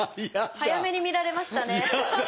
早めに見られましたね。